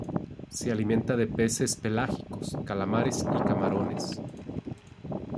Se alimenta de peces pelágicos, calamares y camarones.